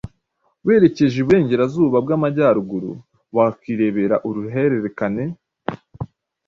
Werekeje iburengerazuba bw’amajyaruguru wakwirebera uruhererekan